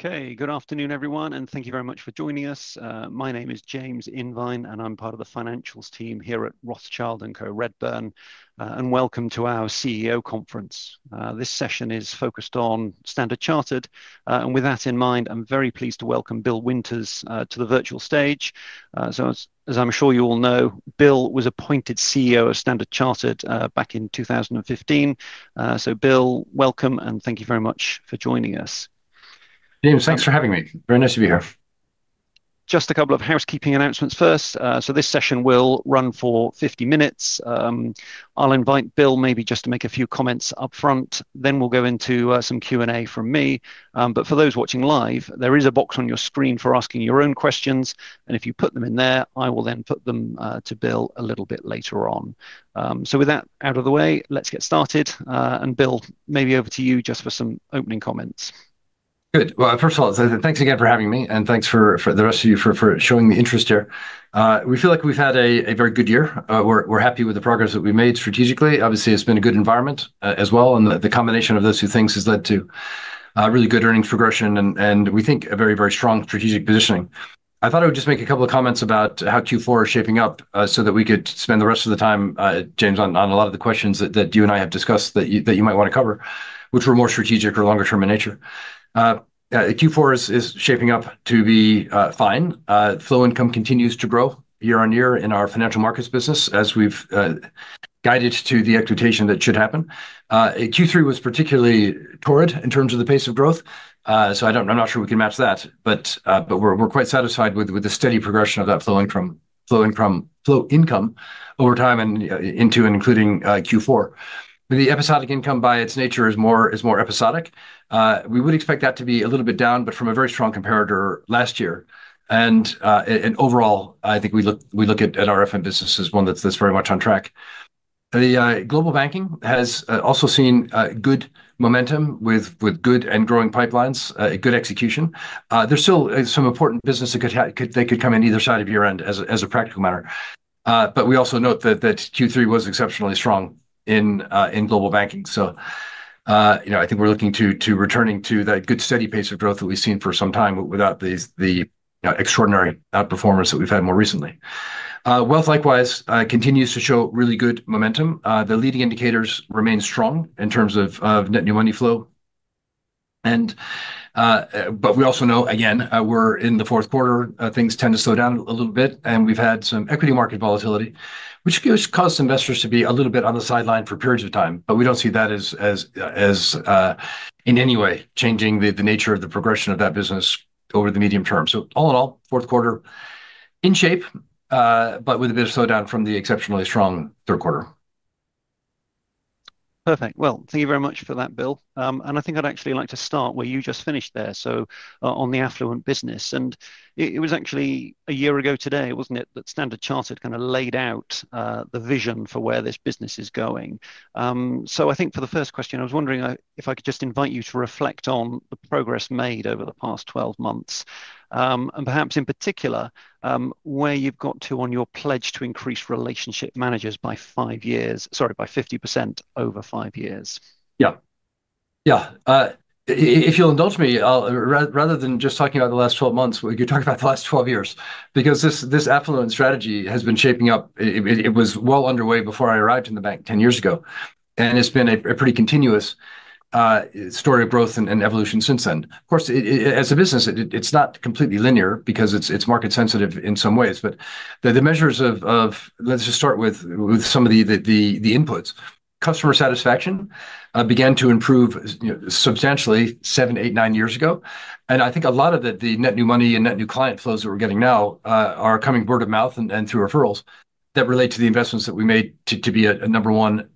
Okay, good afternoon, everyone, and thank you very much for joining us. My name is James Invine, and I'm part of the financials team here at Rothschild & Co Redburn, and welcome to our CEO conference. This session is focused on Standard Chartered, and with that in mind, I'm very pleased to welcome Bill Winters to the virtual stage. So, as I'm sure you all know, Bill was appointed CEO of Standard Chartered back in 2015. So, Bill, welcome, and thank you very much for joining us. James, thanks for having me. Very nice to be here. Just a couple of housekeeping announcements first. So, this session will run for 50 minutes. I'll invite Bill, maybe just to make a few comments upfront, then we'll go into some Q&A from me. But for those watching live, there is a box on your screen for asking your own questions, and if you put them in there, I will then put them to Bill a little bit later on. So, with that out of the way, let's get started, and Bill, maybe over to you just for some opening comments. Good. Well, first of all, thanks again for having me, and thanks for the rest of you for showing the interest here. We feel like we've had a very good year. We're happy with the progress that we've made strategically. Obviously, it's been a good environment as well, and the combination of those two things has led to really good earnings progression and, we think, a very, very strong strategic positioning. I thought I would just make a couple of comments about how Q4 is shaping up so that we could spend the rest of the time, James, on a lot of the questions that you and I have discussed that you might want to cover, which were more strategic or longer-term in nature. Q4 is shaping up to be fine. Flow income continues to grow year-on-year in our financial markets business as we've guided to the expectation that should happen. Q3 was particularly torrid in terms of the pace of growth, so I'm not sure we can match that, but we're quite satisfied with the steady progression of that flow income over time and into and including Q4. The episodic income, by its nature, is more episodic. We would expect that to be a little bit down, but from a very strong comparator last year, and overall, I think we look at F&M business as one that's very much on track. The global banking has also seen good momentum with good and growing pipelines, good execution. There's still some important business that could come in either side of year-end as a practical matter, but we also note that Q3 was exceptionally strong in global banking. So, I think we're looking to returning to that good steady pace of growth that we've seen for some time without the extraordinary outperformance that we've had more recently. Wealth, likewise, continues to show really good momentum. The leading indicators remain strong in terms of net new money flow. But we also know, again, we're in the fourth quarter. Things tend to slow down a little bit, and we've had some equity market volatility, which caused investors to be a little bit on the sidelines for periods of time. But we don't see that as in any way changing the nature of the progression of that business over the medium term. So, all in all, fourth quarter in shape, but with a bit of slowdown from the exceptionally strong third quarter. Perfect. Well, thank you very much for that, Bill. And I think I'd actually like to start where you just finished there, so on the affluent business. And it was actually a year ago today, wasn't it, that Standard Chartered kind of laid out the vision for where this business is going. So, I think for the first question, I was wondering if I could just invite you to reflect on the progress made over the past 12 months, and perhaps in particular where you've got to on your pledge to increase relationship managers by 5 years, sorry, by 50% over 5 years. Yeah. Yeah. If you'll indulge me, rather than just talking about the last 12 months, we could talk about the last 12 years, because this affluent strategy has been shaping up. It was well underway before I arrived in the bank 10 years ago, and it's been a pretty continuous story of growth and evolution since then. Of course, as a business, it's not completely linear because it's market-sensitive in some ways. But the measures of, let's just start with some of the inputs, customer satisfaction began to improve substantially seven, eight, nine years ago. And I think a lot of the net new money and net new client flows that we're getting now are coming word of mouth and through referrals that relate to the investments that we made to be a number one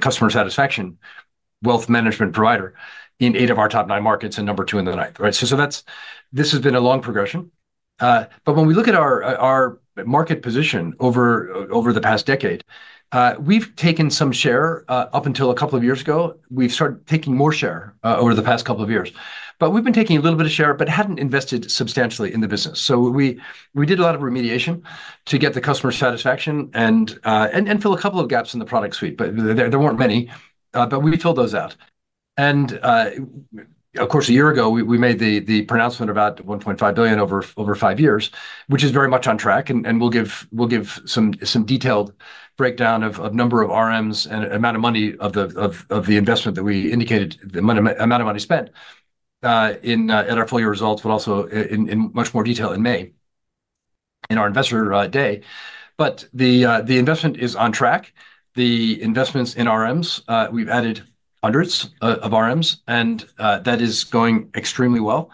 customer satisfaction wealth management provider in eight of our top nine markets and number two in the ninth. Right? So, this has been a long progression. But when we look at our market position over the past decade, we've taken some share. Up until a couple of years ago, we've started taking more share over the past couple of years. But we've been taking a little bit of share, but hadn't invested substantially in the business. So, we did a lot of remediation to get the customer satisfaction and fill a couple of gaps in the product suite, but there weren't many. But we filled those out. Of course, a year ago, we made the pronouncement about $1.5 billion over five years, which is very much on track, and we'll give some detailed breakdown of number of RMs and amount of money of the investment that we indicated, the amount of money spent at our full year results, but also in much more detail in May in our investor day. But the investment is on track. The investments in RMs, we've added hundreds of RMs, and that is going extremely well.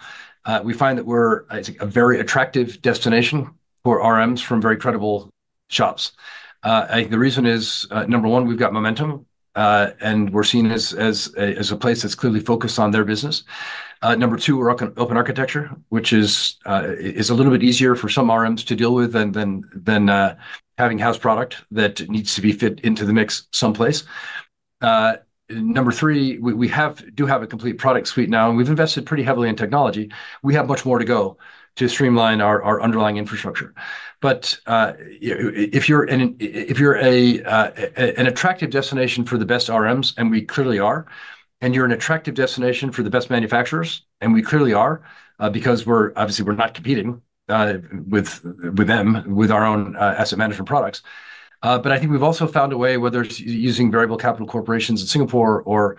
We find that we're a very attractive destination for RMs from very credible shops. I think the reason is, number one, we've got momentum, and we're seen as a place that's clearly focused on their business. Number two, we're open architecture, which is a little bit easier for some RMs to deal with than having house product that needs to be fit into the mix someplace. Number three, we do have a complete product suite now, and we've invested pretty heavily in technology. We have much more to go to streamline our underlying infrastructure. But if you're an attractive destination for the best RMs, and we clearly are, and you're an attractive destination for the best manufacturers, and we clearly are, because obviously we're not competing with them with our own asset management products. But I think we've also found a way, whether it's using Variable Capital Corporations in Singapore or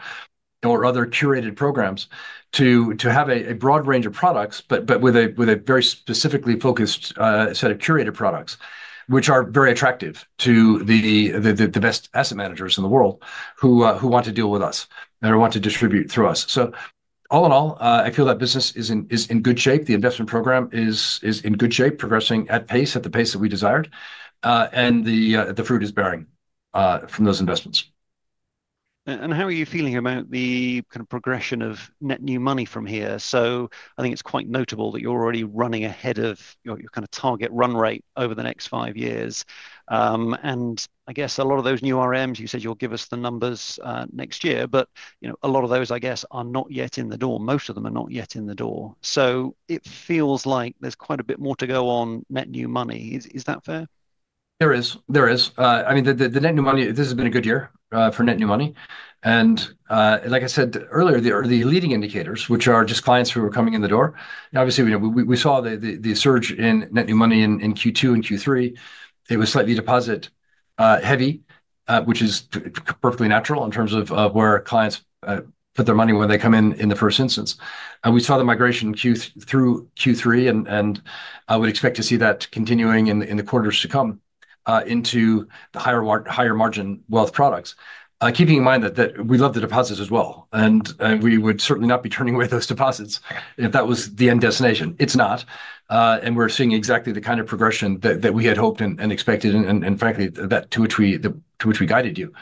other curated programs, to have a broad range of products, but with a very specifically focused set of curated products, which are very attractive to the best asset managers in the world who want to deal with us and want to distribute through us. So, all in all, I feel that business is in good shape. The investment program is in good shape, progressing at pace, at the pace that we desired, and the fruit is bearing from those investments. How are you feeling about the kind of progression of net new money from here? I think it's quite notable that you're already running ahead of your kind of target run rate over the next five years. I guess a lot of those new RMs. You said you'll give us the numbers next year, but a lot of those, I guess, are not yet in the door. Most of them are not yet in the door. It feels like there's quite a bit more to go on net new money. Is that fair? There is. I mean, the net new money, this has been a good year for net new money, and like I said earlier, the leading indicators, which are just clients who are coming in the door, obviously, we saw the surge in net new money in Q2 and Q3. It was slightly deposit-heavy, which is perfectly natural in terms of where clients put their money when they come in the first instance. We saw the migration through Q3, and I would expect to see that continuing in the quarters to come into the higher margin wealth products. Keeping in mind that we love the deposits as well, and we would certainly not be turning away those deposits if that was the end destination. It's not, and we're seeing exactly the kind of progression that we had hoped and expected, and frankly, that to which we guided you.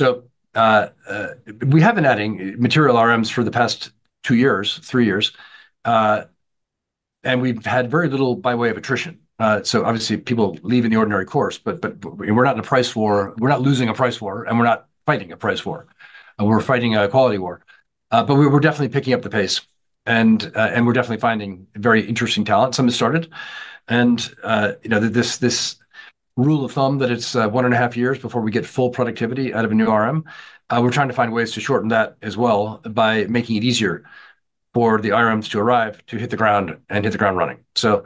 We have been adding material RMs for the past two years, three years, and we've had very little by way of attrition. So, obviously, people leave in the ordinary course, but we're not in a price war. We're not losing a price war, and we're not fighting a price war. We're fighting a quality war. But we're definitely picking up the pace, and we're definitely finding very interesting talent. Some have started. And this rule of thumb that it's one and a half years before we get full productivity out of a new RM, we're trying to find ways to shorten that as well by making it easier for the RMs to arrive, to hit the ground and hit the ground running. So,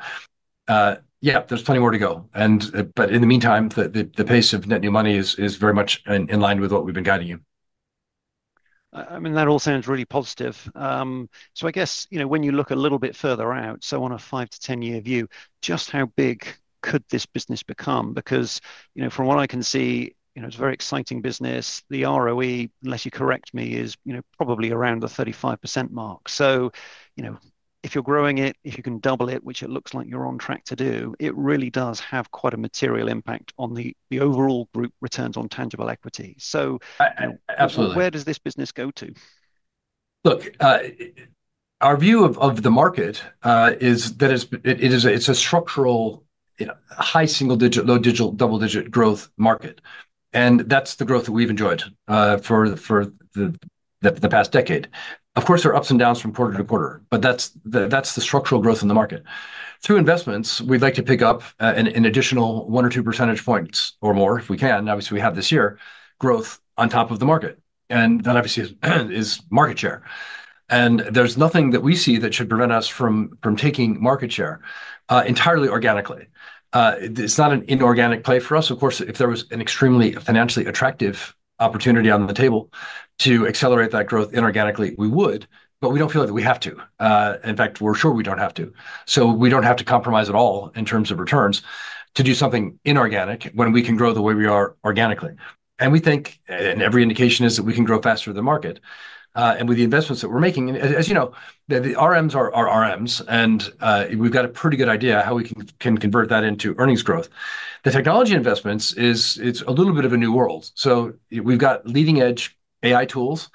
yeah, there's plenty more to go. In the meantime, the pace of net new money is very much in line with what we've been guiding you. I mean, that all sounds really positive. So, I guess when you look a little bit further out, so on a 5 to 10-year view, just how big could this business become? Because from what I can see, it's a very exciting business. The ROE, unless you correct me, is probably around the 35% mark. So, if you're growing it, if you can double it, which it looks like you're on track to do, it really does have quite a material impact on the overall group returns on tangible equity. So, where does this business go to? Look, our view of the market is that it's a structural high single-digit, low double-digit growth market. That's the growth that we've enjoyed for the past decade. Of course, there are ups and downs from quarter to quarter, but that's the structural growth in the market. Through investments, we'd like to pick up an additional one or two percentage points or more, if we can. Obviously, we have this year's growth on top of the market, and that obviously is market share. There's nothing that we see that should prevent us from taking market share entirely organically. It's not an inorganic play for us. Of course, if there was an extremely financially attractive opportunity on the table to accelerate that growth inorganically, we would, but we don't feel that we have to. In fact, we're sure we don't have to. So, we don't have to compromise at all in terms of returns to do something inorganic when we can grow the way we are organically. And we think, and every indication is that we can grow faster than the market. And with the investments that we're making, as you know, the RMs are RMs, and we've got a pretty good idea how we can convert that into earnings growth. The technology investments, it's a little bit of a new world. So, we've got leading-edge AI tools,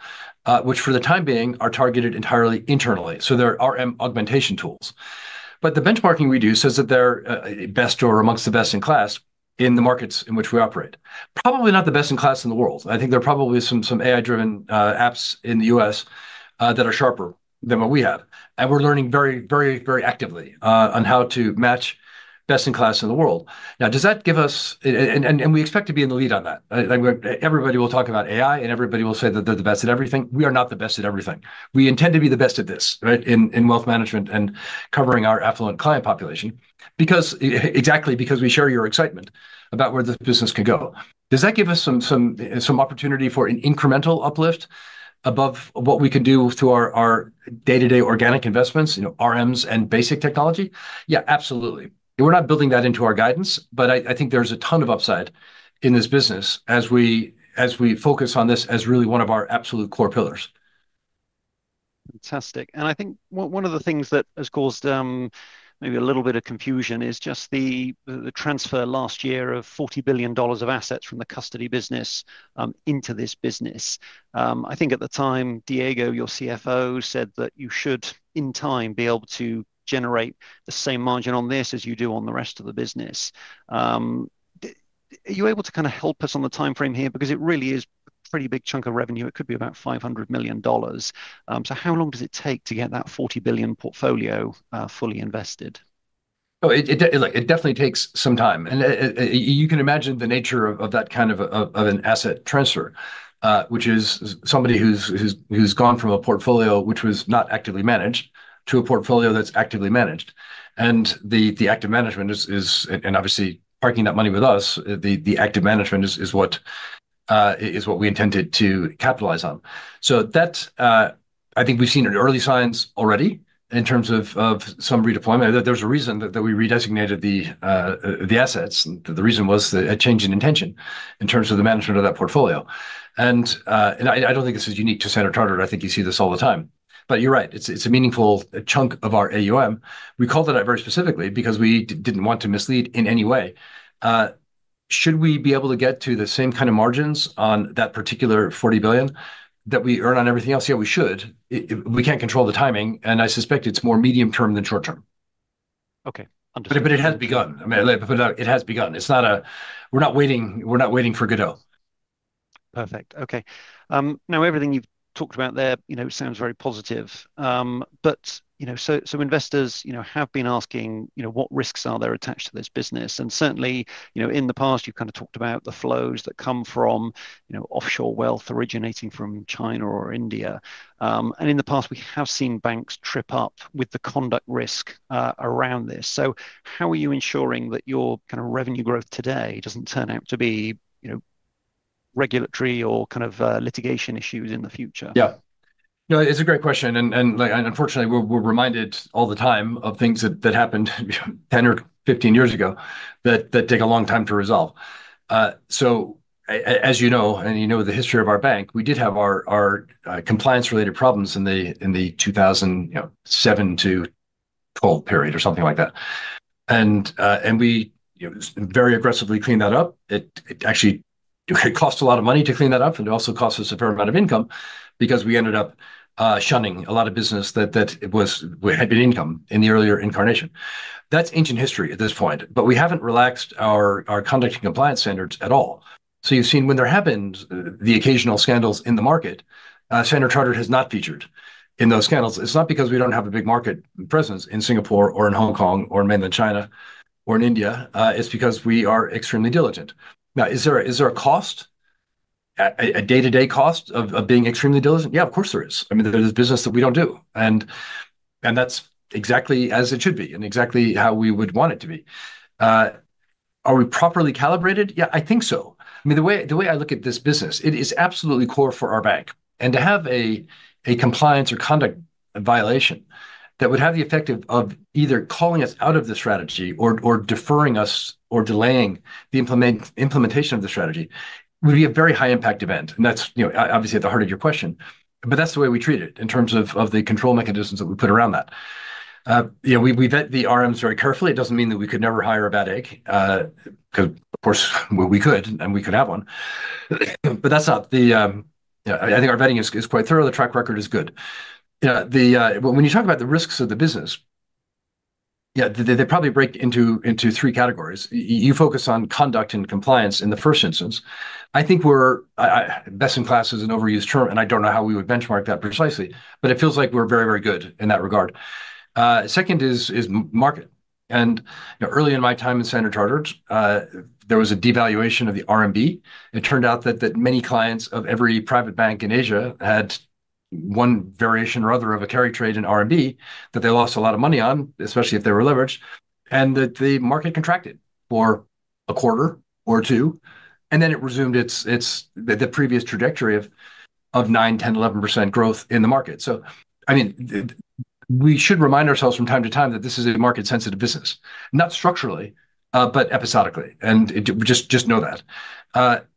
which for the time being are targeted entirely internally. So, they're RM augmentation tools. But the benchmarking we do says that they're best or among the best in class in the markets in which we operate. Probably not the best in class in the world. I think there are probably some AI-driven apps in the U.S. that are sharper than what we have. We're learning very, very, very actively on how to match best in class in the world. Now, does that give us, and we expect to be in the lead on that. Everybody will talk about AI, and everybody will say that they're the best at everything. We are not the best at everything. We intend to be the best at this in wealth management and covering our affluent client population, exactly because we share your excitement about where this business can go. Does that give us some opportunity for an incremental uplift above what we can do through our day-to-day organic investments, RMs and basic technology? Yeah, absolutely. We're not building that into our guidance, but I think there's a ton of upside in this business as we focus on this as really one of our absolute core pillars. Fantastic. And I think one of the things that has caused maybe a little bit of confusion is just the transfer last year of $40 billion of assets from the custody business into this business. I think at the time, Diego, your CFO, said that you should in time be able to generate the same margin on this as you do on the rest of the business. Are you able to kind of help us on the timeframe here? Because it really is a pretty big chunk of revenue. It could be about $500 million. So, how long does it take to get that $40 billion portfolio fully invested? Oh, it definitely takes some time. And you can imagine the nature of that kind of an asset transfer, which is somebody who's gone from a portfolio which was not actively managed to a portfolio that's actively managed. And the active management is, and obviously parking that money with us, the active management is what we intended to capitalize on. So, I think we've seen early signs already in terms of some redeployment. There's a reason that we redesignated the assets. The reason was a change in intention in terms of the management of that portfolio. And I don't think this is unique to Standard Chartered. I think you see this all the time. But you're right. It's a meaningful chunk of our AUM. We called it out very specifically because we didn't want to mislead in any way. Should we be able to get to the same kind of margins on that particular $40 billion that we earn on everything else? Yeah, we should. We can't control the timing, and I suspect it's more medium term than short term. Okay. Understood. But it has begun. I mean, it has begun. It's not a, we're not waiting for Godot. Perfect. Okay. Now, everything you've talked about there sounds very positive. But some investors have been asking what risks are there attached to this business. And certainly, in the past, you've kind of talked about the flows that come from offshore wealth originating from China or India. And in the past, we have seen banks trip up with the conduct risk around this. So, how are you ensuring that your kind of revenue growth today doesn't turn out to be regulatory or kind of litigation issues in the future? Yeah. No, it's a great question. And unfortunately, we're reminded all the time of things that happened 10 or 15 years ago that take a long time to resolve. So, as you know, and you know the history of our bank, we did have our compliance-related problems in the 2007 to 2012 period or something like that. And we very aggressively cleaned that up. It actually cost a lot of money to clean that up, and it also cost us a fair amount of income because we ended up shunning a lot of business that had been income in the earlier incarnation. That's ancient history at this point, but we haven't relaxed our conducting compliance standards at all. So, you've seen when there have been the occasional scandals in the market, Standard Chartered has not featured in those scandals. It's not because we don't have a big market presence in Singapore or in Hong Kong or mainland China or in India. It's because we are extremely diligent. Now, is there a cost, a day-to-day cost of being extremely diligent? Yeah, of course there is. I mean, there's business that we don't do, and that's exactly as it should be and exactly how we would want it to be. Are we properly calibrated? Yeah, I think so. I mean, the way I look at this business, it is absolutely core for our bank. And to have a compliance or conduct violation that would have the effect of either calling us out of the strategy or deferring us or delaying the implementation of the strategy would be a very high-impact event. That's obviously at the heart of your question, but that's the way we treat it in terms of the control mechanisms that we put around that. We vet the RMs very carefully. It doesn't mean that we could never hire a bad egg, because of course we could, and we could have one. But that's not the, I think our vetting is quite thorough. The track record is good. When you talk about the risks of the business, yeah, they probably break into three categories. You focus on conduct and compliance in the first instance. I think best in class is an overused term, and I don't know how we would benchmark that precisely, but it feels like we're very, very good in that regard. Second is market. Early in my time in Standard Chartered, there was a devaluation of the RMB. It turned out that many clients of every private bank in Asia had one variation or other of a carry trade in RMB that they lost a lot of money on, especially if they were leveraged, and that the market contracted for a quarter or two, and then it resumed the previous trajectory of nine, 10, 11% growth in the market. So, I mean, we should remind ourselves from time to time that this is a market-sensitive business, not structurally, but episodically, and just know that.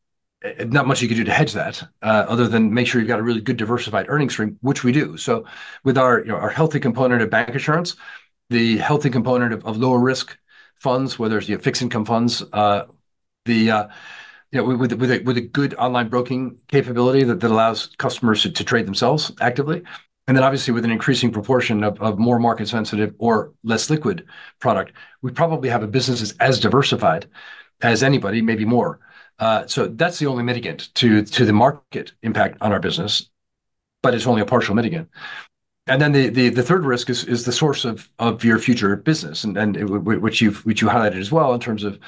Not much you can do to hedge that other than make sure you've got a really good diversified earnings stream, which we do. So, with our healthy component of bank insurance, the healthy component of lower risk funds, whether it's fixed income funds, with a good online broking capability that allows customers to trade themselves actively, and then obviously with an increasing proportion of more market-sensitive or less liquid product, we probably have a business as diversified as anybody, maybe more. So, that's the only mitigant to the market impact on our business, but it's only a partial mitigant. And then the third risk is the source of your future business, which you highlighted as well in terms of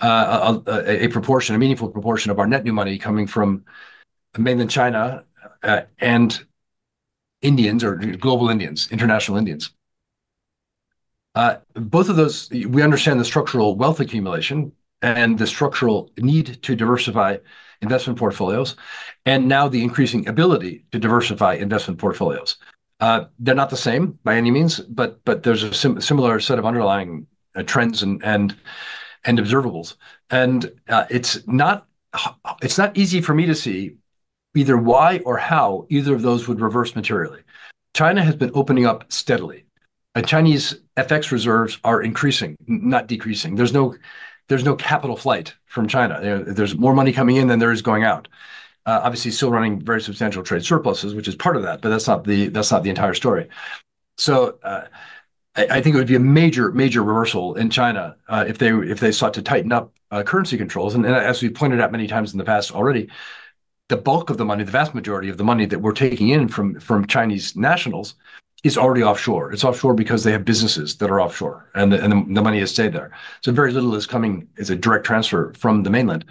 a proportion, a meaningful proportion of our net new money coming from mainland China and Indians or global Indians, international Indians. Both of those, we understand the structural wealth accumulation and the structural need to diversify investment portfolios, and now the increasing ability to diversify investment portfolios. They're not the same by any means, but there's a similar set of underlying trends and observables, and it's not easy for me to see either why or how either of those would reverse materially. China has been opening up steadily. Chinese FX reserves are increasing, not decreasing. There's no capital flight from China. There's more money coming in than there is going out. Obviously, still running very substantial trade surpluses, which is part of that, but that's not the entire story, so I think it would be a major reversal in China if they sought to tighten up currency controls, and as we pointed out many times in the past already, the bulk of the money, the vast majority of the money that we're taking in from Chinese nationals is already offshore. It's offshore because they have businesses that are offshore, and the money has stayed there. So, very little is coming as a direct transfer from the mainland.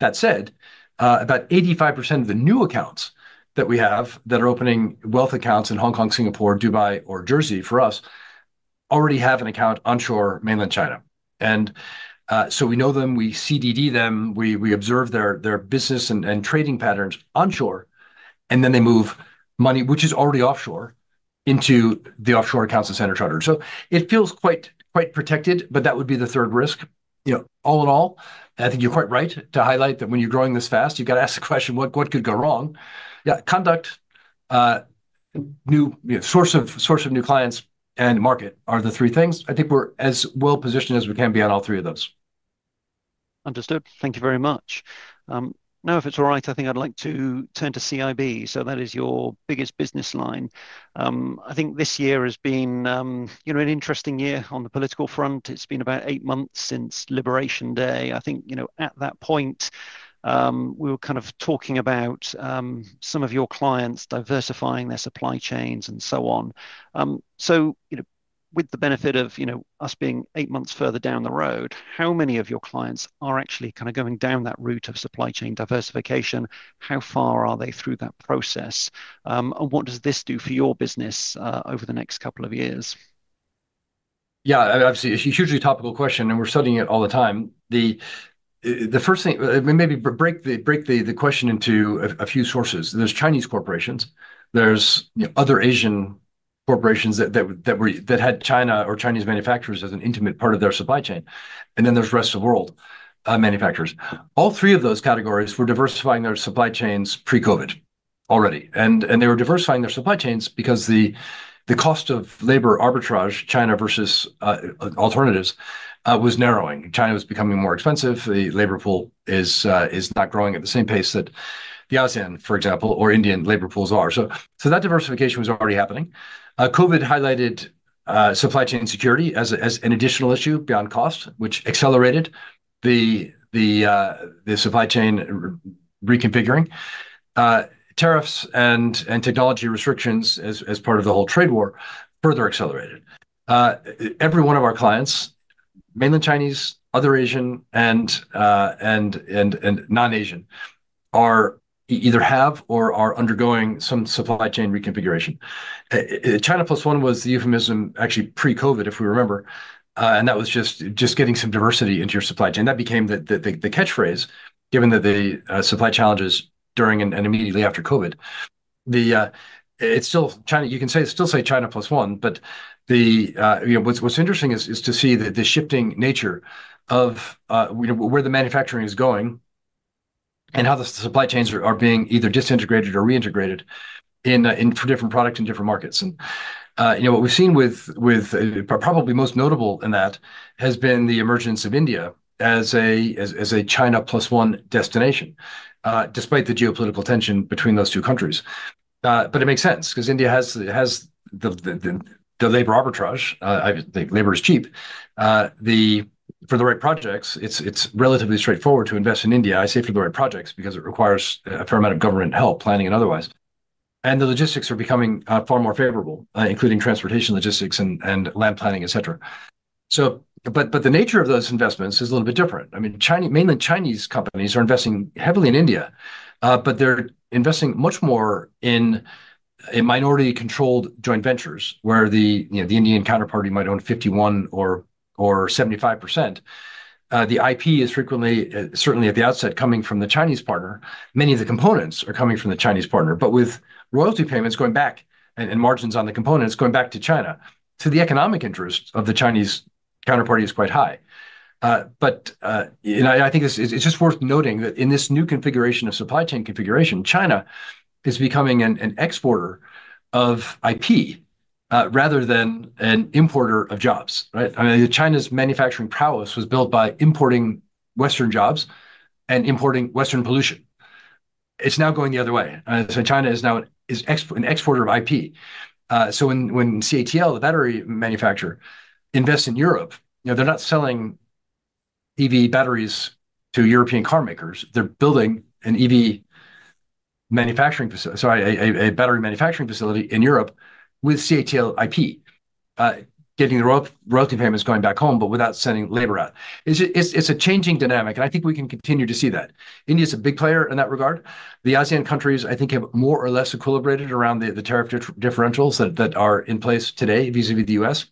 That said, about 85% of the new accounts that we have that are opening wealth accounts in Hong Kong, Singapore, Dubai, or Jersey for us already have an account onshore mainland China. And so, we know them, we CDD them, we observe their business and trading patterns onshore, and then they move money, which is already offshore, into the offshore accounts at Standard Chartered. So, it feels quite protected, but that would be the third risk. All in all, I think you're quite right to highlight that when you're growing this fast, you've got to ask the question, what could go wrong? Yeah, conduct, new source of new clients, and market are the three things. I think we're as well positioned as we can be on all three of those. Understood. Thank you very much. Now, if it's all right, I think I'd like to turn to CIB. So, that is your biggest business line. I think this year has been an interesting year on the political front. It's been about eight months since Liberation Day. I think at that point, we were kind of talking about some of your clients diversifying their supply chains and so on. So, with the benefit of us being eight months further down the road, how many of your clients are actually kind of going down that route of supply chain diversification? How far are they through that process? And what does this do for your business over the next couple of years? Yeah, obviously, hugely topical question, and we're studying it all the time. The first thing, maybe break the question into a few sorts. There's Chinese corporations. There's other Asian corporations that had China or Chinese manufacturers as an integral part of their supply chain, and then there's rest of world manufacturers. All three of those categories were diversifying their supply chains pre-COVID already, and they were diversifying their supply chains because the cost of labor arbitrage, China versus alternatives, was narrowing. China was becoming more expensive. The labor pool is not growing at the same pace that the ASEAN, for example, or Indian labor pools are, so that diversification was already happening. COVID highlighted supply chain security as an additional issue beyond cost, which accelerated the supply chain reconfiguring. Tariffs and technology restrictions as part of the whole trade war further accelerated. Every one of our clients, mainland Chinese, other Asian, and non-Asian, either have or are undergoing some supply chain reconfiguration. China plus one was the euphemism actually pre-COVID, if we remember, and that was just getting some diversity into your supply chain. That became the catchphrase, given that the supply challenges during and immediately after COVID. You can still say China plus one, but what's interesting is to see the shifting nature of where the manufacturing is going and how the supply chains are being either disintegrated or reintegrated for different products in different markets. And what we've seen with probably most notable in that has been the emergence of India as a China plus one destination, despite the geopolitical tension between those two countries. But it makes sense because India has the labor arbitrage. Labor is cheap. For the right projects, it's relatively straightforward to invest in India. I say for the right projects because it requires a fair amount of government help, planning, and otherwise. And the logistics are becoming far more favorable, including transportation logistics and land planning, et cetera. But the nature of those investments is a little bit different. I mean, mainland Chinese companies are investing heavily in India, but they're investing much more in minority-controlled joint ventures where the Indian counterparty might own 51% or 75%. The IP is frequently, certainly at the outset, coming from the Chinese partner. Many of the components are coming from the Chinese partner, but with royalty payments going back and margins on the components going back to China, the economic interest of the Chinese counterparty is quite high. But I think it's just worth noting that in this new configuration of supply chain configuration, China is becoming an exporter of IP rather than an importer of jobs. I mean, China's manufacturing prowess was built by importing Western jobs and importing Western pollution. It's now going the other way. So China is now an exporter of IP. So when CATL, the battery manufacturer, invests in Europe, they're not selling EV batteries to European carmakers. They're building an EV manufacturing facility, sorry, a battery manufacturing facility in Europe with CATL IP, getting the royalty payments going back home, but without sending labor out. It's a changing dynamic, and I think we can continue to see that. India is a big player in that regard. The ASEAN countries, I think, have more or less equilibrated around the tariff differentials that are in place today vis-à-vis the U.S.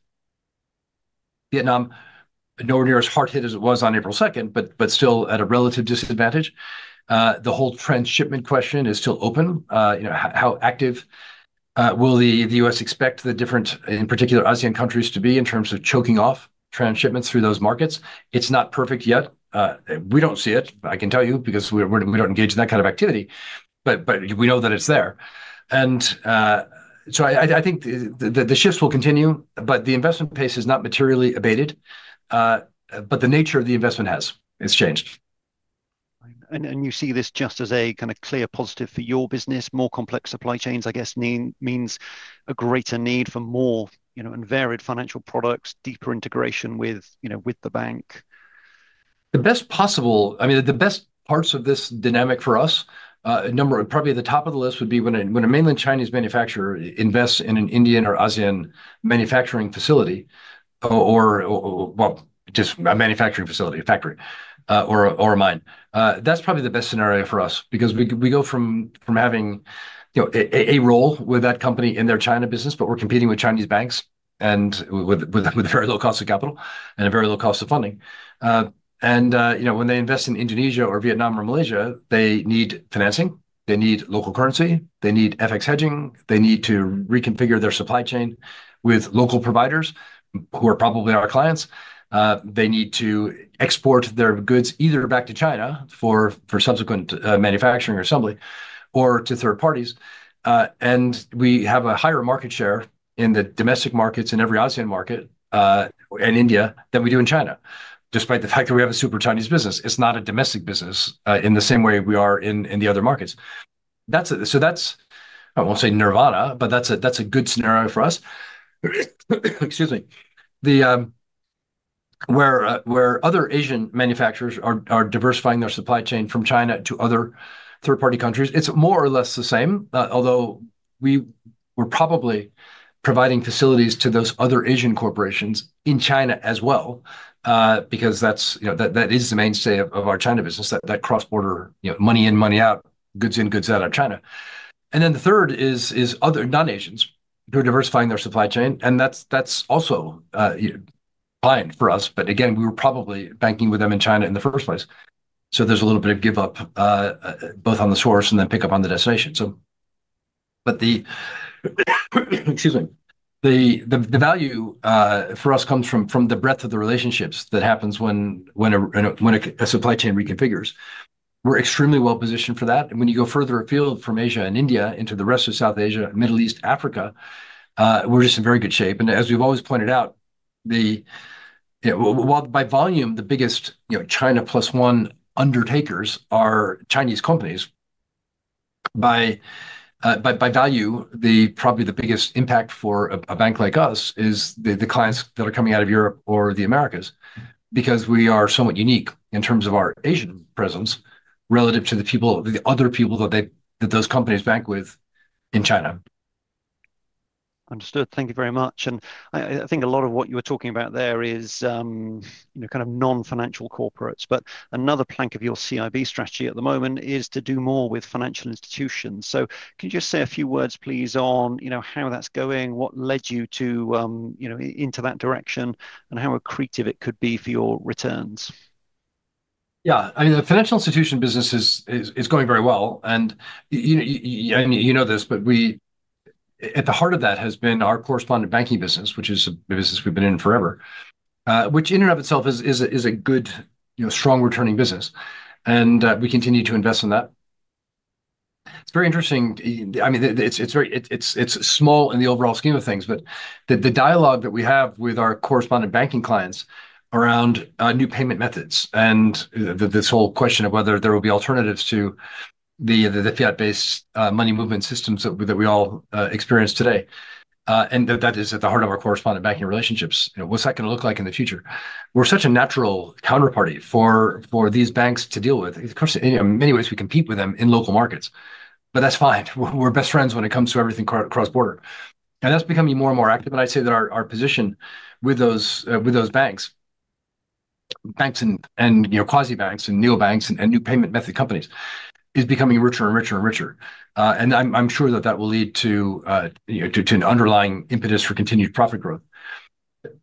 Vietnam, nowhere near as hard hit as it was on April 2nd, but still at a relative disadvantage. The whole transshipment question is still open. How active will the U.S. expect the different, in particular, ASEAN countries to be in terms of choking off transshipments through those markets? It's not perfect yet. We don't see it, I can tell you, because we don't engage in that kind of activity, but we know that it's there. And so I think the shifts will continue, but the investment pace is not materially abated, but the nature of the investment has changed. And you see this just as a kind of clear positive for your business? More complex supply chains, I guess, means a greater need for more and varied financial products, deeper integration with the bank. The best possible, I mean, the best parts of this dynamic for us, probably at the top of the list would be when a mainland Chinese manufacturer invests in an Indian or ASEAN manufacturing facility, or just a manufacturing facility, a factory, or a mine. That's probably the best scenario for us because we go from having a role with that company in their China business, but we're competing with Chinese banks and with a very low cost of capital and a very low cost of funding. And when they invest in Indonesia or Vietnam or Malaysia, they need financing. They need local currency. They need FX hedging. They need to reconfigure their supply chain with local providers who are probably our clients. They need to export their goods either back to China for subsequent manufacturing or assembly or to third parties. We have a higher market share in the domestic markets in every ASEAN market and India than we do in China, despite the fact that we have a super Chinese business. It's not a domestic business in the same way we are in the other markets. That's, I won't say nirvana, but that's a good scenario for us. Excuse me. Where other Asian manufacturers are diversifying their supply chain from China to other third-party countries, it's more or less the same, although we're probably providing facilities to those other Asian corporations in China as well, because that is the mainstay of our China business, that cross-border money in, money out, goods in, goods out of China. And then the third is other non-Asians who are diversifying their supply chain, and that's also fine for us, but again, we were probably banking with them in China in the first place. So there's a little bit of give-up both on the source and then pick-up on the destination. But the, excuse me, the value for us comes from the breadth of the relationships that happens when a supply chain reconfigures. We're extremely well positioned for that. And when you go further afield from Asia and India into the rest of South Asia, Middle East, Africa, we're just in very good shape. As we've always pointed out, while by volume, the biggest China plus one undertakers are Chinese companies, by value, probably the biggest impact for a bank like us is the clients that are coming out of Europe or the Americas because we are somewhat unique in terms of our Asian presence relative to the other people that those companies bank with in China. Understood. Thank you very much. And I think a lot of what you were talking about there is kind of non-financial corporates, but another plank of your CIB strategy at the moment is to do more with financial institutions. So can you just say a few words, please, on how that's going, what led you into that direction, and how accretive it could be for your returns? Yeah. I mean, the financial institution business is going very well. And you know this, but at the heart of that has been our correspondent banking business, which is a business we've been in forever, which in and of itself is a good, strong returning business. And we continue to invest in that. It's very interesting. I mean, it's small in the overall scheme of things, but the dialogue that we have with our correspondent banking clients around new payment methods and this whole question of whether there will be alternatives to the fiat-based money movement systems that we all experience today. And that is at the heart of our correspondent banking relationships. What's that going to look like in the future? We're such a natural counterparty for these banks to deal with. Of course, in many ways, we compete with them in local markets, but that's fine. We're best friends when it comes to everything cross-border. And that's becoming more and more active. And I'd say that our position with those banks, banks and quasi-banks and new banks and new payment method companies is becoming richer and richer and richer. And I'm sure that that will lead to an underlying impetus for continued profit growth.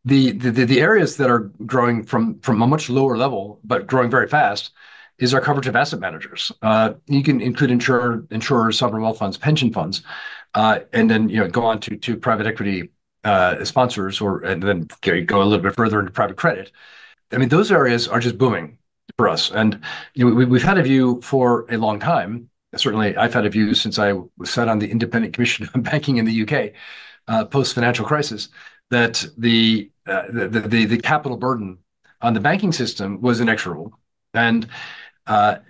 The areas that are growing from a much lower level, but growing very fast, is our coverage of asset managers. You can include insurers, sovereign wealth funds, pension funds, and then go on to private equity sponsors and then go a little bit further into private credit. I mean, those areas are just booming for us. And we've had a view for a long time. Certainly, I've had a view since I was sat on the Independent Commission on Banking in the U.K. post-financial crisis that the capital burden on the banking system was inexorable. And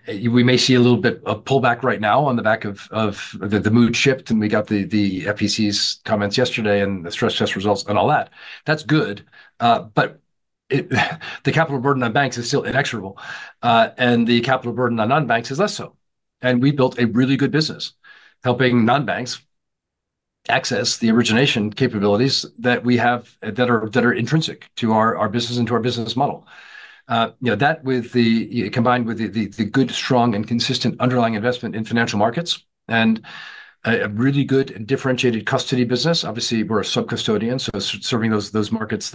we may see a little bit of pullback right now on the back of the mood shift, and we got the FPC's comments yesterday and the stress test results and all that. That's good, but the capital burden on banks is still inexorable, and the capital burden on non-banks is less so. And we built a really good business helping non-banks access the origination capabilities that we have that are intrinsic to our business and to our business model. That combined with the good, strong, and consistent underlying investment in financial markets and a really good and differentiated custody business. Obviously, we're a sub-custodian, so serving those markets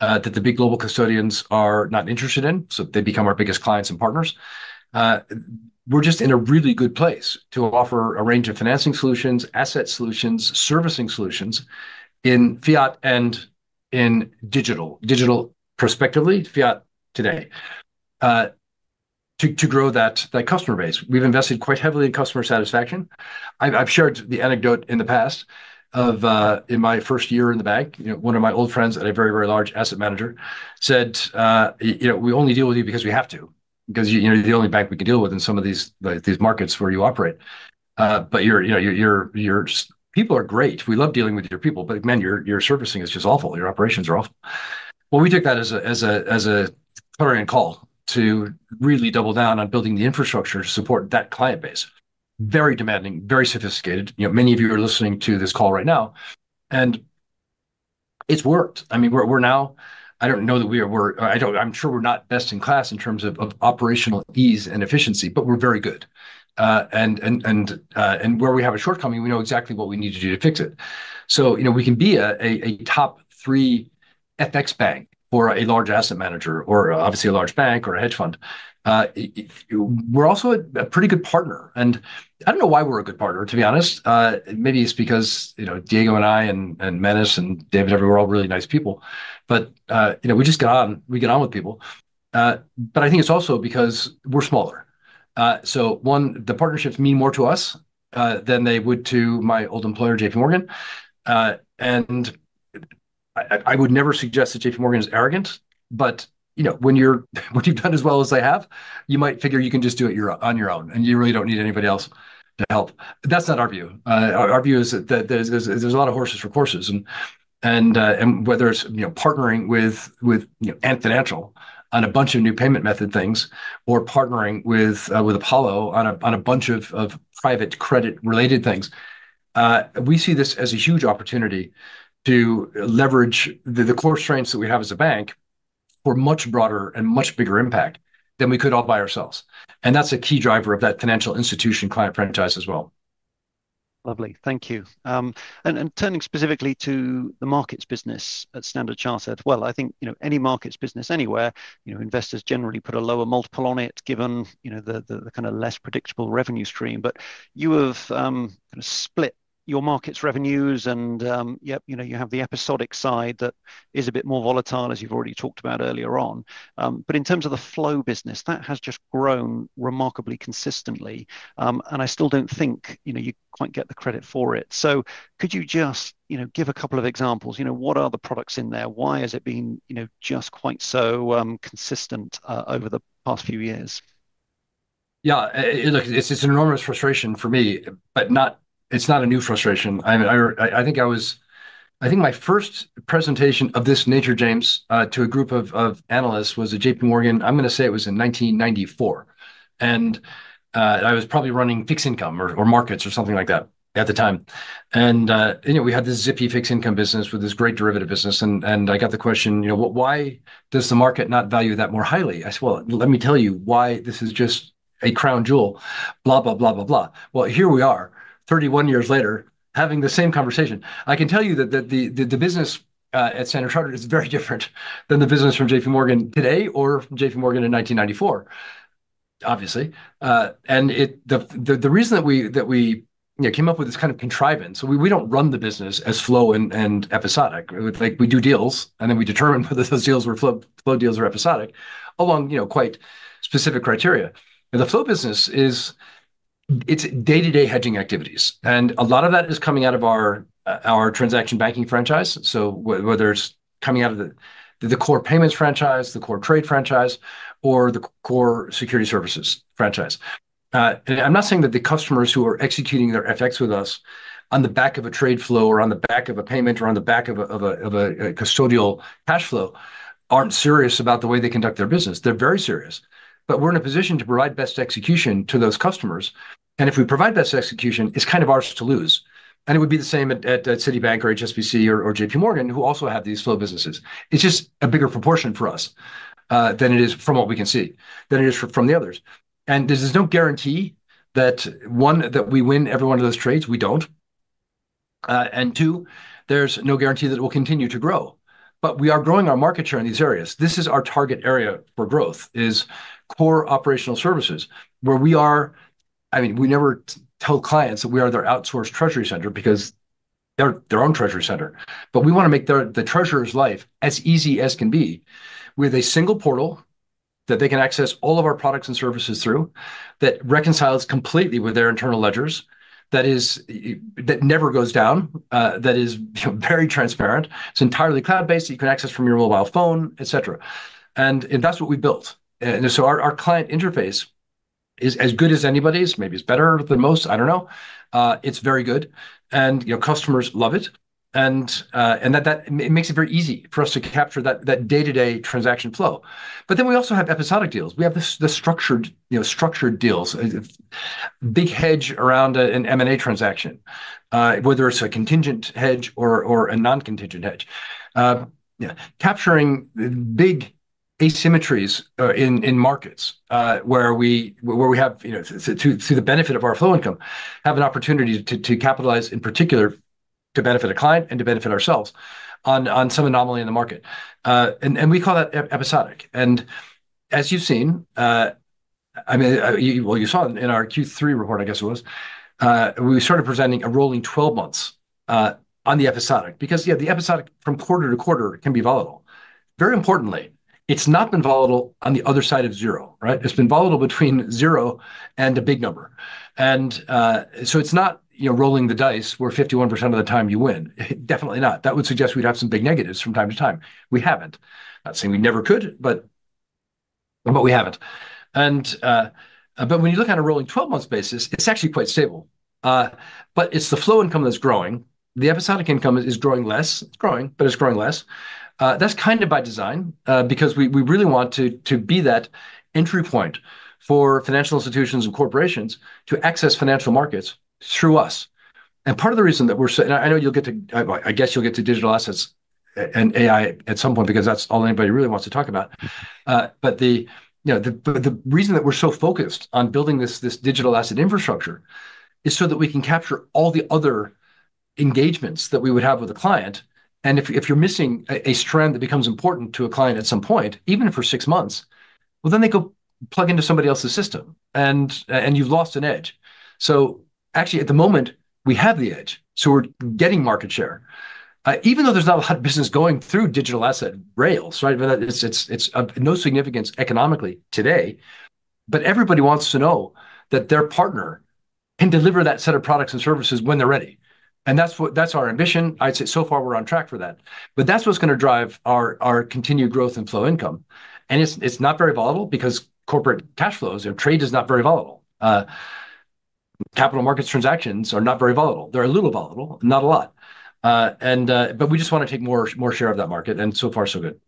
that the big global custodians are not interested in, so they become our biggest clients and partners. We're just in a really good place to offer a range of financing solutions, asset solutions, servicing solutions in fiat and in digital, digital prospectively, fiat today, to grow that customer base. We've invested quite heavily in customer satisfaction. I've shared the anecdote in the past of in my first year in the bank, one of my old friends and a very, very large asset manager said, "We only deal with you because we have to, because you're the only bank we can deal with in some of these markets where you operate. But your people are great. We love dealing with your people, but man, your servicing is just awful. Your operations are awful." Well, we took that as a clarion call to really double down on building the infrastructure to support that client base. Very demanding, very sophisticated. Many of you are listening to this call right now, and it's worked. I mean, we're now, I don't know that we are, I'm sure we're not best in class in terms of operational ease and efficiency, but we're very good. And where we have a shortcoming, we know exactly what we need to do to fix it. So we can be a top three FX bank for a large asset manager or obviously a large bank or a hedge fund. We're also a pretty good partner. And I don't know why we're a good partner, to be honest. Maybe it's because Diego and I and Manus and David, we're all really nice people, but we just get on with people. But I think it's also because we're smaller. So one, the partnerships mean more to us than they would to my old employer, J.P. Morgan. And I would never suggest that J.P. Morgan is arrogant, but when you've done as well as they have, you might figure you can just do it on your own, and you really don't need anybody else to help. That's not our view. Our view is that there's a lot of horses for courses. And whether it's partnering with Ant Financial on a bunch of new payment method things or partnering with Apollo on a bunch of private credit-related things, we see this as a huge opportunity to leverage the core strengths that we have as a bank for much broader and much bigger impact than we could all by ourselves. And that's a key driver of that financial institution client franchise as well. Lovely. Thank you, and turning specifically to the markets business at Standard Chartered. Well, I think any markets business anywhere, investors generally put a lower multiple on it given the kind of less predictable revenue stream. But you have kind of split your markets revenues, and you have the episodic side that is a bit more volatile, as you've already talked about earlier on. But in terms of the flow business, that has just grown remarkably consistently, and I still don't think you quite get the credit for it, so could you just give a couple of examples? What are the products in there? Why has it been just quite so consistent over the past few years? Yeah. Look, it's an enormous frustration for me, but it's not a new frustration. I think my first presentation of this nature, James, to a group of analysts was at J.P. Morgan. I'm going to say it was in 1994, and I was probably running fixed income or markets or something like that at the time. And we had this zippy fixed income business with this great derivative business, and I got the question, "Why does the market not value that more highly?" I said, "Well, let me tell you why this is just a crown jewel, blah, blah, blah, blah, blah." Well, here we are, 31 years later, having the same conversation. I can tell you that the business at Standard Chartered is very different than the business from J.P. Morgan today or from J.P. Morgan in 1994, obviously. The reason that we came up with this kind of contrivance, we don't run the business as flow and episodic. We do deals, and then we determine whether those deals were flow deals or episodic along quite specific criteria. The flow business is its day-to-day hedging activities, and a lot of that is coming out of our transaction banking franchise, so whether it's coming out of the core payments franchise, the core trade franchise, or the core security services franchise. I'm not saying that the customers who are executing their FX with us on the back of a trade flow or on the back of a payment or on the back of a custodial cash flow aren't serious about the way they conduct their business. They're very serious, but we're in a position to provide best execution to those customers. And if we provide best execution, it's kind of ours to lose. And it would be the same at Citibank or HSBC or J.P. Morgan, who also have these flow businesses. It's just a bigger proportion for us than it is from what we can see, than it is from the others. And there's no guarantee that, one, that we win every one of those trades. We don't. And two, there's no guarantee that it will continue to grow. But we are growing our market share in these areas. This is our target area for growth, is core operational services, where we are. I mean, we never tell clients that we are their outsourced treasury center because they're their own treasury center, but we want to make the treasurer's life as easy as can be with a single portal that they can access all of our products and services through that reconciles completely with their internal ledgers, that never goes down, that is very transparent. It's entirely cloud-based. You can access from your mobile phone, et cetera. And that's what we built. And so our client interface is as good as anybody's, maybe it's better than most, I don't know. It's very good, and customers love it. And that makes it very easy for us to capture that day-to-day transaction flow. But then we also have episodic deals. We have the structured deals, big hedge around an M&A transaction, whether it's a contingent hedge or a non-contingent hedge, capturing big asymmetries in markets where we have, through the benefit of our flow income, an opportunity to capitalize in particular to benefit a client and to benefit ourselves on some anomaly in the market. And we call that episodic. And as you've seen, I mean, well, you saw it in our Q3 report, I guess it was, we started presenting a rolling 12 months on the episodic because, yeah, the episodic from quarter to quarter can be volatile. Very importantly, it's not been volatile on the other side of zero, right? It's been volatile between zero and a big number. And so it's not rolling the dice where 51% of the time you win. Definitely not. That would suggest we'd have some big negatives from time to time. We haven't. Not saying we never could, but we haven't. But when you look on a rolling 12-month basis, it's actually quite stable. But it's the flow income that's growing. The episodic income is growing less. It's growing, but it's growing less. That's kind of by design because we really want to be that entry point for financial institutions and corporations to access financial markets through us. And part of the reason that we're, and I know you'll get to, I guess you'll get to digital assets and AI at some point because that's all anybody really wants to talk about.. But the reason that we're so focused on building this digital asset infrastructure is so that we can capture all the other engagements that we would have with a client. And if you're missing a strand that becomes important to a client at some point, even if for six months, well, then they go plug into somebody else's system, and you've lost an edge. So actually, at the moment, we have the edge. So we're getting market share. Even though there's not a lot of business going through digital asset rails, right? It's of no significance economically today, but everybody wants to know that their partner can deliver that set of products and services when they're ready. And that's our ambition. I'd say so far we're on track for that. But that's what's going to drive our continued growth and flow income. And it's not very volatile because corporate cash flows and trade is not very volatile. Capital markets transactions are not very volatile. They're a little volatile, not a lot. But we just want to take more share of that market. And so far, so good.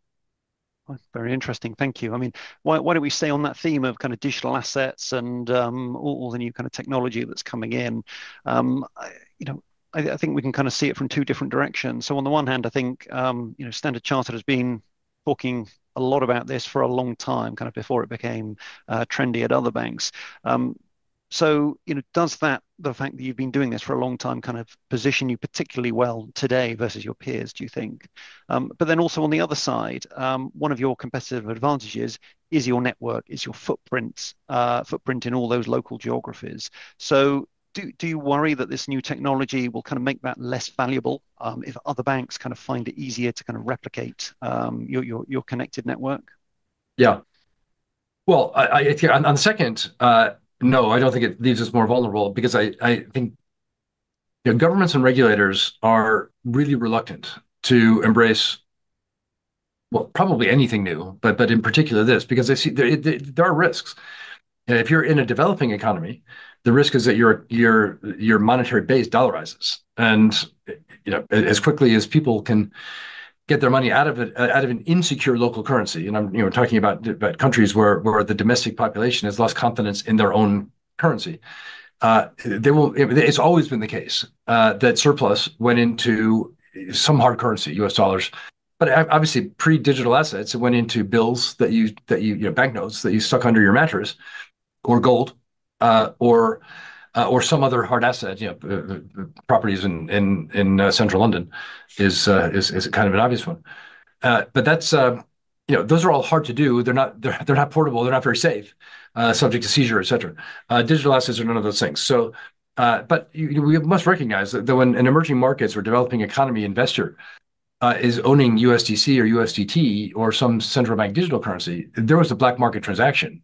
That's very interesting. Thank you. I mean, why don't we stay on that theme of kind of digital assets and all the new kind of technology that's coming in? I think we can kind of see it from two different directions. So on the one hand, I think Standard Chartered has been talking a lot about this for a long time, kind of before it became trendy at other banks. So does that, the fact that you've been doing this for a long time, kind of position you particularly well today versus your peers, do you think? But then also on the other side, one of your competitive advantages is your network, is your footprint in all those local geographies. So do you worry that this new technology will kind of make that less valuable if other banks kind of find it easier to kind of replicate your connected network? Yeah, well, on the second, no, I don't think it leaves us more vulnerable because I think governments and regulators are really reluctant to embrace, well, probably anything new, but in particular this, because there are risks. And if you're in a developing economy, the risk is that your monetary base dollarizes. And as quickly as people can get their money out of an insecure local currency, and I'm talking about countries where the domestic population has lost confidence in their own currency, it's always been the case that surplus went into some hard currency, U.S. dollars. But obviously, pre-digital assets went into bills that you, banknotes that you stuck under your mattress or gold or some other hard asset, properties in central London is kind of an obvious one. But those are all hard to do. They're not portable. They're not very safe, subject to seizure, et cetera. Digital assets are none of those things. But we must recognize that when an emerging markets or developing economy investor is owning USDC or USDT or some central bank digital currency, there was a black market transaction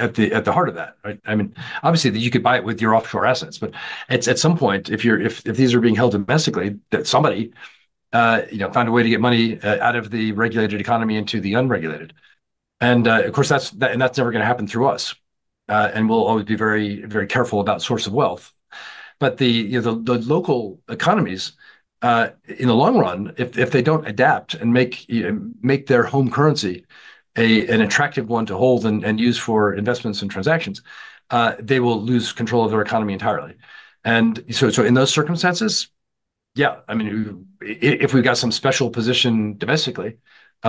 at the heart of that. I mean, obviously, you could buy it with your offshore assets, but at some point, if these are being held domestically, that somebody found a way to get money out of the regulated economy into the unregulated. And of course, that's never going to happen through us. And we'll always be very careful about source of wealth. But the local economies, in the long run, if they don't adapt and make their home currency an attractive one to hold and use for investments and transactions, they will lose control of their economy entirely. And so in those circumstances, yeah, I mean, if we've got some special position domestically,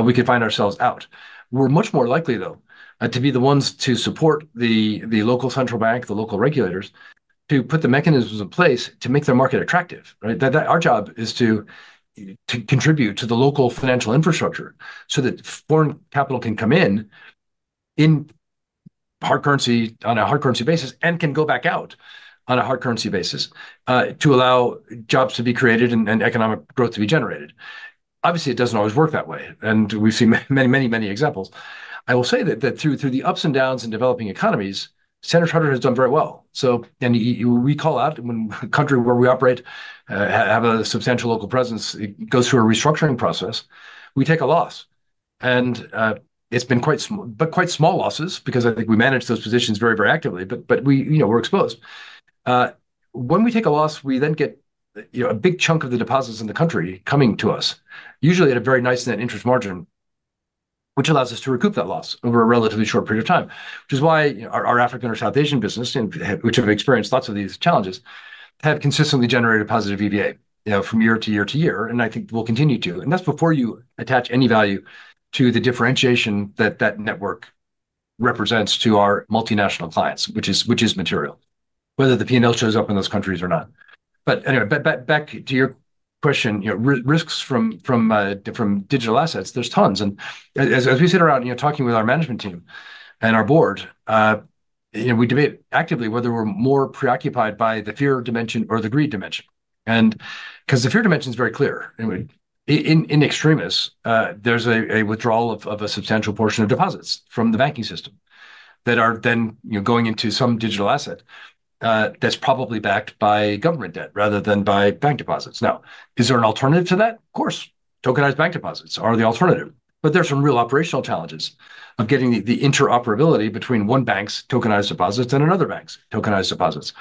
we could find ourselves out. We're much more likely, though, to be the ones to support the local central bank, the local regulators to put the mechanisms in place to make their market attractive. Our job is to contribute to the local financial infrastructure so that foreign capital can come in on a hard currency basis and can go back out on a hard currency basis to allow jobs to be created and economic growth to be generated. Obviously, it doesn't always work that way, and we've seen many, many, many examples. I will say that through the ups and downs in developing economies, Standard Chartered has done very well. And we call out when a country where we operate have a substantial local presence, it goes through a restructuring process, we take a loss. It's been quite small, but quite small losses because I think we manage those positions very, very actively, but we're exposed. When we take a loss, we then get a big chunk of the deposits in the country coming to us, usually at a very nice net interest margin, which allows us to recoup that loss over a relatively short period of time, which is why our African or South Asian business, which have experienced lots of these challenges, have consistently generated positive EVA from year to year to year, and I think will continue to. That's before you attach any value to the differentiation that that network represents to our multinational clients, which is material, whether the P&L shows up in those countries or not. Anyway, back to your question, risks from digital assets. There's tons. As we sit around talking with our management team and our board, we debate actively whether we're more preoccupied by the fear dimension or the greed dimension. Because the fear dimension is very clear. In extremis, there's a withdrawal of a substantial portion of deposits from the banking system that are then going into some digital asset that's probably backed by government debt rather than by bank deposits. Now, is there an alternative to that? Of course. Tokenized bank deposits are the alternative. But there's some real operational challenges of getting the interoperability between one bank's tokenized deposits and another bank's tokenized deposits.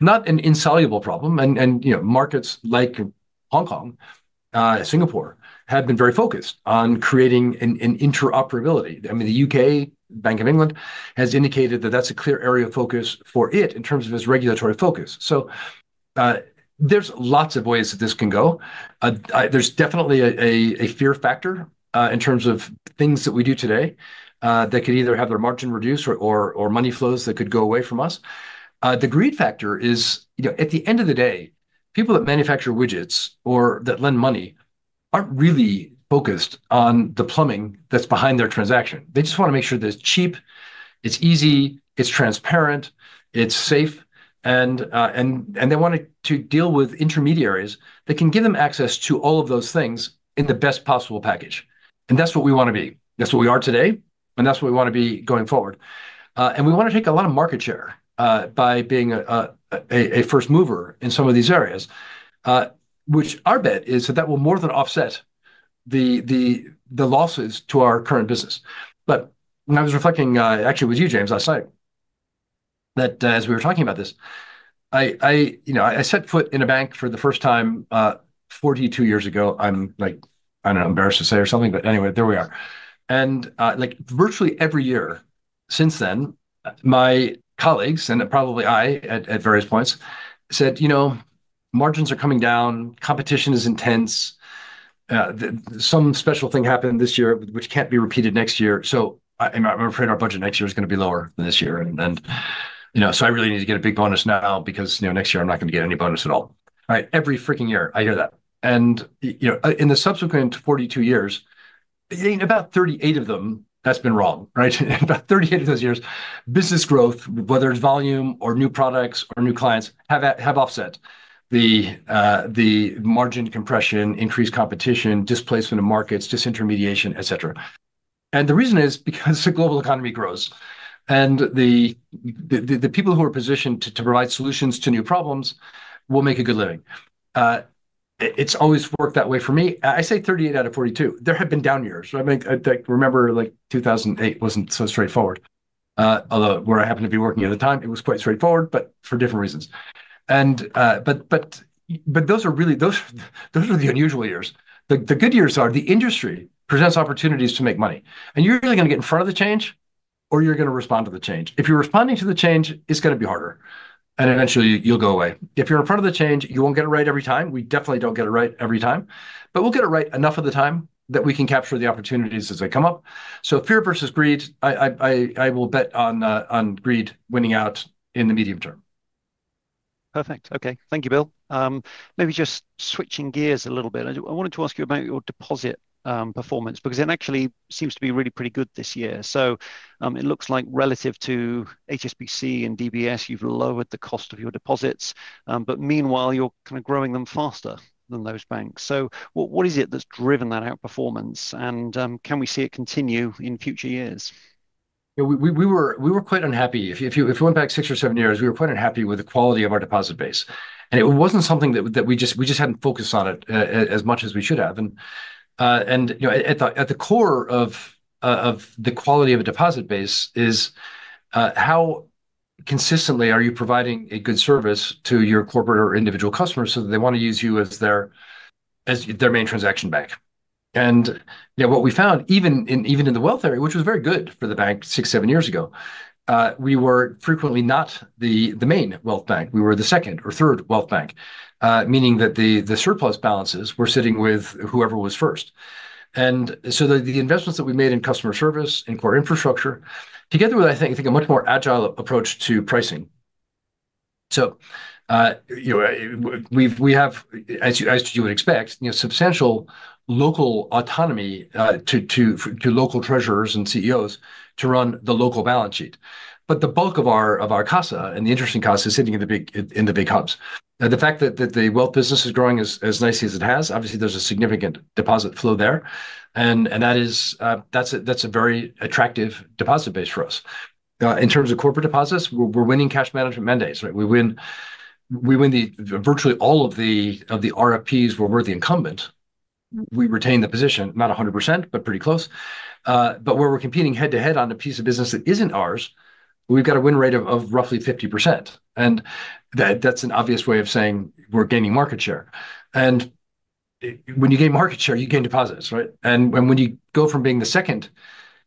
Not an insoluble problem. Markets like Hong Kong, Singapore have been very focused on creating an interoperability. I mean, the U.K., Bank of England has indicated that that's a clear area of focus for it in terms of its regulatory focus. There's lots of ways that this can go. There's definitely a fear factor in terms of things that we do today that could either have their margin reduced or money flows that could go away from us. The greed factor is, at the end of the day, people that manufacture widgets or that lend money aren't really focused on the plumbing that's behind their transaction. They just want to make sure that it's cheap, it's easy, it's transparent, it's safe. And they want to deal with intermediaries that can give them access to all of those things in the best possible package. And that's what we want to be. That's what we are today, and that's what we want to be going forward. And we want to take a lot of market share by being a first mover in some of these areas, which our bet is that that will more than offset the losses to our current business. But I was reflecting, actually, with you, James, last night, that as we were talking about this, I set foot in a bank for the first time 42 years ago. I'm like, I don't know, embarrassed to say or something, but anyway, there we are. And virtually every year since then, my colleagues, and probably I at various points, said, you know, margins are coming down, competition is intense. Some special thing happened this year, which can't be repeated next year. So I'm afraid our budget next year is going to be lower than this year. And so I really need to get a big bonus now because next year I'm not going to get any bonus at all. Every freaking year, I hear that. And in the subsequent 42 years, in about 38 of them, that's been wrong, right? In about 38 of those years, business growth, whether it's volume or new products or new clients, have offset the margin compression, increased competition, displacement of markets, disintermediation, et cetera. And the reason is because the global economy grows and the people who are positioned to provide solutions to new problems will make a good living. It's always worked that way for me. I say 38 out of 42. There have been down years. I remember like 2008 wasn't so straightforward, although where I happened to be working at the time, it was quite straightforward, but for different reasons. But those are really, those are the unusual years. The good years are the industry presents opportunities to make money. And you're either going to get in front of the change or you're going to respond to the change. If you're responding to the change, it's going to be harder. And eventually, you'll go away. If you're in front of the change, you won't get it right every time. We definitely don't get it right every time. But we'll get it right enough of the time that we can capture the opportunities as they come up. So fear versus greed, I will bet on greed winning out in the medium term. Perfect. Okay. Thank you, Bill. Maybe just switching gears a little bit. I wanted to ask you about your deposit performance because it actually seems to be really pretty good this year. So it looks like relative to HSBC and DBS, you've lowered the cost of your deposits. But meanwhile, you're kind of growing them faster than those banks. So what is it that's driven that outperformance? And can we see it continue in future years? We were quite unhappy. If we went back six or seven years, we were quite unhappy with the quality of our deposit base, and it wasn't something that we just hadn't focused on it as much as we should have, and at the core of the quality of a deposit base is how consistently are you providing a good service to your corporate or individual customers so that they want to use you as their main transaction bank? What we found, even in the wealth area, which was very good for the bank six, seven years ago, we were frequently not the main wealth bank. We were the second or third wealth bank, meaning that the surplus balances were sitting with whoever was first, and so the investments that we made in customer service and core infrastructure, together with, I think, a much more agile approach to pricing. So we have, as you would expect, substantial local autonomy to local treasurers and CEOs to run the local balance sheet. But the bulk of our costs and the interesting costs are sitting in the big hubs. The fact that the wealth business is growing as nicely as it has, obviously, there's a significant deposit flow there. And that's a very attractive deposit base for us. In terms of corporate deposits, we're winning cash management mandates. We win virtually all of the RFPs where we're the incumbent. We retain the position, not 100%, but pretty close. But where we're competing head to head on a piece of business that isn't ours, we've got a win rate of roughly 50%. And that's an obvious way of saying we're gaining market share. And when you gain market share, you gain deposits, right? And when you go from being the second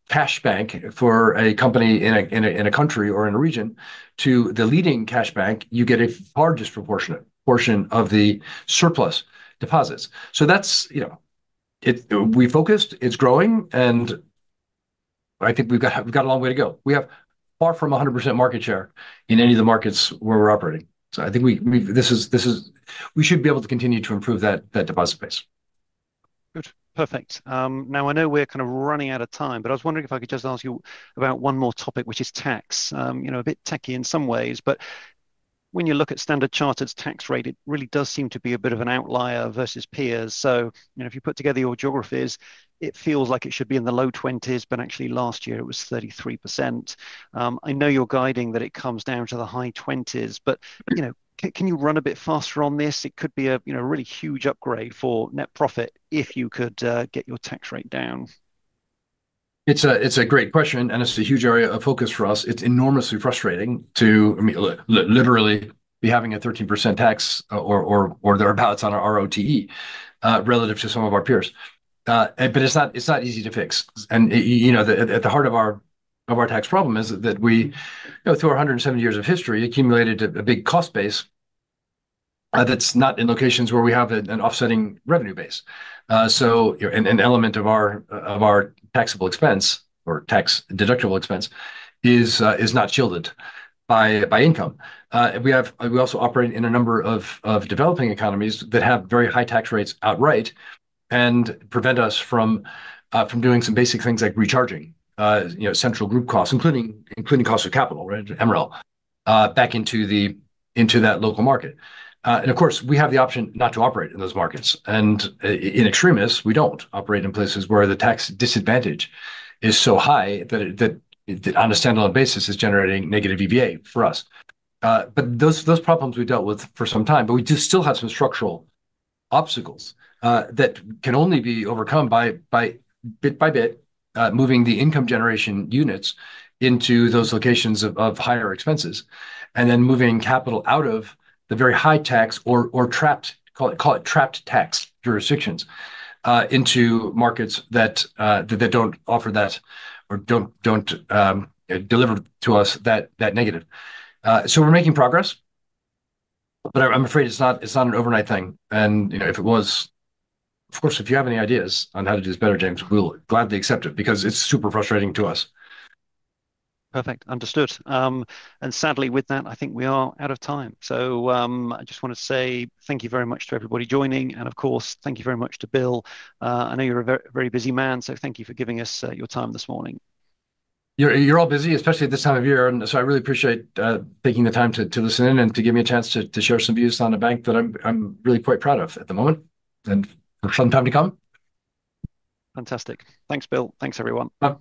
cash bank for a company in a country or in a region to the leading cash bank, you get a far disproportionate portion of the surplus deposits. So we focused, it's growing, and I think we've got a long way to go. We have far from 100% market share in any of the markets where we're operating. So I think we should be able to continue to improve that deposit base. Good. Perfect. Now, I know we're kind of running out of time, but I was wondering if I could just ask you about one more topic, which is tax. A bit techie in some ways, but when you look at Standard Chartered's tax rate, it really does seem to be a bit of an outlier versus peers. So if you put together your geographies, it feels like it should be in the low 20s, but actually last year it was 33%. I know you're guiding that it comes down to the high 20s, but can you run a bit faster on this? It could be a really huge upgrade for net profit if you could get your tax rate down. It's a great question, and it's a huge area of focus for us. It's enormously frustrating to literally be having a 13% tax or the drag on our ROTE relative to some of our peers. But it's not easy to fix, and at the heart of our tax problem is that we, through our 170 years of history, accumulated a big cost base that's not in locations where we have an offsetting revenue base. So an element of our taxable expense or tax deductible expense is not shielded by income. We also operate in a number of developing economies that have very high tax rates outright and prevent us from doing some basic things like recharging central group costs, including cost of capital, EVA, back into that local market, and of course, we have the option not to operate in those markets. And in extremis, we don't operate in places where the tax disadvantage is so high that on a standalone basis is generating negative EVA for us. But those problems we dealt with for some time, but we still have some structural obstacles that can only be overcome bit by bit moving the income generation units into those loc ations of higher expenses and then moving capital out of the very high tax or trapped, call it trapped tax jurisdictions into markets that don't offer that or don't deliver to us that negative. So we're making progress, but I'm afraid it's not an overnight thing. And if it was, of course, if you have any ideas on how to do this better, James, we'll gladly accept it because it's super frustrating to us. Perfect. Understood. And sadly, with that, I think we are out of time. So I just want to say thank you very much to everybody joining. And of course, thank you very much to Bill. I know you're a very busy man, so thank you for giving us your time this morning. You're all busy, especially at this time of year, and so I really appreciate taking the time to listen in and to give me a chance to share some views on a bank that I'm really quite proud of at the moment and for some time to come. Fantastic. Thanks, Bill. Thanks, everyone.